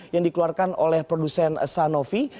yang dikeluarkan oleh produsen sanofi